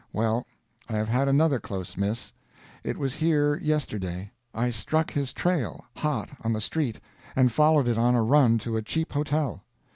Well, I have had another close miss. It was here, yesterday. I struck his trail, hot, on the street, and followed it on a run to a cheap hotel.